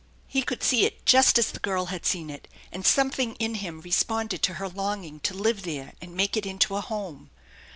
He could see it just as the girl had seen it, and something in him responded to her longing to live there and make it into a home.